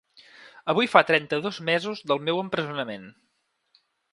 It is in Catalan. Avui fa trenta-dos mesos del meu empresonament.